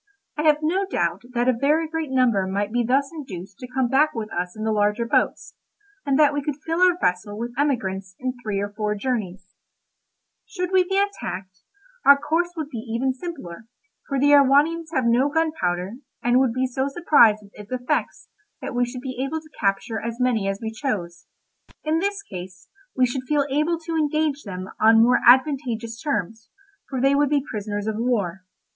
I have no doubt that a very great number might be thus induced to come back with us in the larger boats, and that we could fill our vessel with emigrants in three or four journeys. Should we be attacked, our course would be even simpler, for the Erewhonians have no gunpowder, and would be so surprised with its effects that we should be able to capture as many as we chose; in this case we should feel able to engage them on more advantageous terms, for they would be prisoners of war.